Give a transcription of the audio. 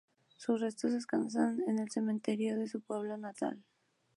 Sus restos descansan en el cementerio de su pueblo natal.